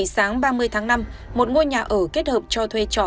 sáng ba mươi tháng năm một ngôi nhà ở kết hợp cho thuê trọ